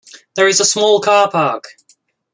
There is a small car park.